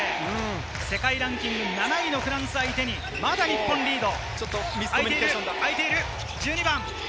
世界ランキング７位の相手にまだ日本リード。